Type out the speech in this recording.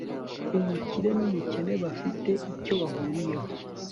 umukire n'umukene bafite icyo bahuriyeho